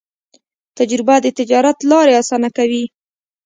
تجربه د تجارت لارې اسانه کوي.